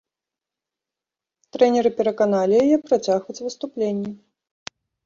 Трэнеры пераканалі яе працягваць выступленні.